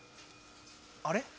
あれ？